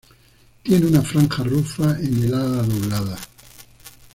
Tiene una franja rufa en el ala doblada.